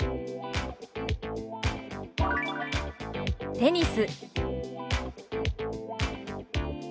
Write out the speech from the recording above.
「テニス」。